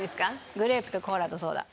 グレープとコーラとソーダ。